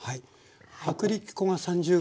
薄力粉が３０ｇ。